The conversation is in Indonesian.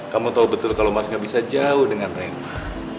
kamu tahu betul kalau mas gak bisa jauh dengan rema